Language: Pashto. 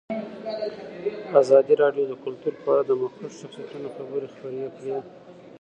ازادي راډیو د کلتور په اړه د مخکښو شخصیتونو خبرې خپرې کړي.